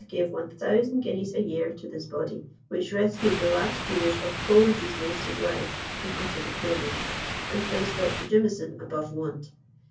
gave 1000 guineas a year to this body, which rescued the last years of Coleridge's wasted life from utter dependence, and placed Dr. Jamieson above want.